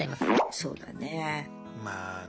そうだね。